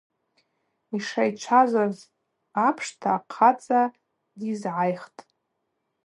Йшайчважваз апшта, ахъацӏа дйызгӏайхтӏ.